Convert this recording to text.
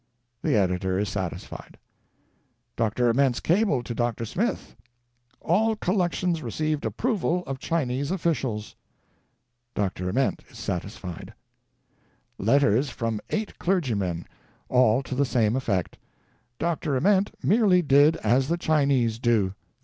The editor is satisfied. Dr. Ament' s cable to Dr. Smith : "All collections received ap proval Chinese officials." Dr. Ament is satisfied. Letters from eight clergymen — all to the same effect: Dr. Ament merely did as the Chinese do.